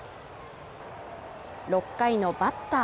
６回のバッター